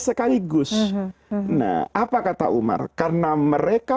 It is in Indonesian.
sekaligus nah apa kata umar karena mereka